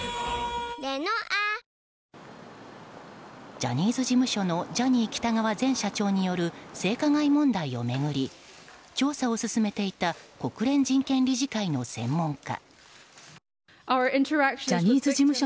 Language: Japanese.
ジャニーズ事務所のジャニー喜多川前社長による性加害問題を巡り調査を進めていた国連人権理事会の専門家。